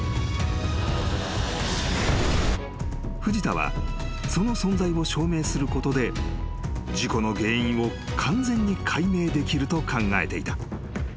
［藤田はその存在を証明することで事故の原因を完全に解明できると考えていた］